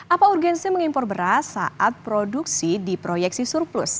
apa urgensi mengimpor beras saat produksi di proyeksi surplus